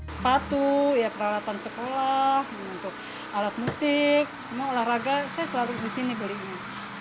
sepatu peralatan sekolah alat musik semua olahraga saya selalu di sini belinya